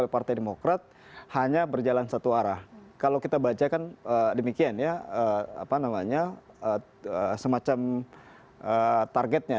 partai demokrat hanya berjalan satu arah kalau kita baca kan demikian ya apa namanya semacam targetnya